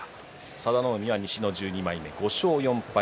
佐田の海は西の１２枚目５勝４敗。